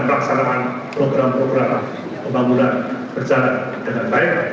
dan program program pembangunan berjalan dengan baik